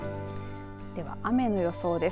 では、雨の予想です。